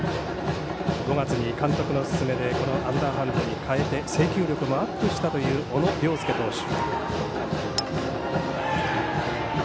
５月に監督の勧めでアンダーハンドに変えて制球力もアップしたという小野涼介投手。